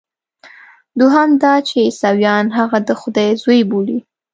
دوهم دا چې عیسویان هغه د خدای زوی بولي.